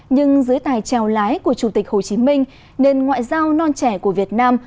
nhưng dưới tài treo lái của chủ tịch hồ chí minh nền ngoại giao non trẻ của việt nam